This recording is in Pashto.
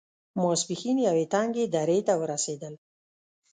ماسپښين يوې تنګې درې ته ورسېدل.